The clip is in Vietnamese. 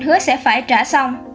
hứa sẽ phải trả xong